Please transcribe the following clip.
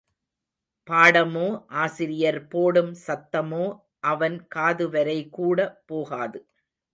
பாடமோ, ஆசிரியர் போடும் சத்தமோ அவன் காதுவரை கூட போகாது.